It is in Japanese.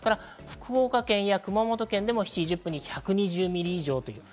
福岡県熊本県でも７時１０分に１２０ミリ以上。